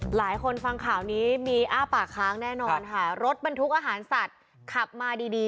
หลายคนฟังข่าวนี้มีอ้าปากค้างแน่นอนค่ะรถบรรทุกอาหารสัตว์ขับมาดีดี